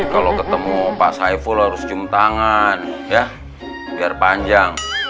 kalau ketemu pak saiful harus cium tangan ya biar panjang